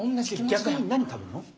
逆に何食べるの？